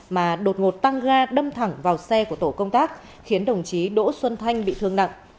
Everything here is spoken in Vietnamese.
mà đột ngột tăng ga đâm thẳng vào xe của tổ công tác khiến đồng chí đỗ xuân thanh bị thương nặng